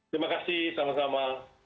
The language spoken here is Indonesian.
terima kasih sama sama